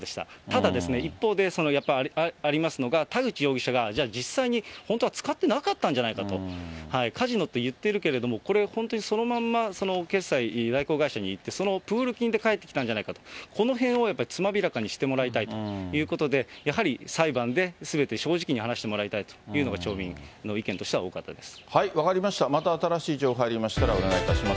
ただですね、一方で、やっぱりありますのが、田口容疑者が実際に本当は使ってなかったんじゃないかと、カジノって言ってるけれども、これ本当にそのままその決済代行業者にいって、そのプール金で返ってきたんじゃないかと、このへんをやっぱりつまびらかにしてもらいたいということで、やはり裁判で、すべて正直に話してもらいたいというのが、町民の意見としては多かったです。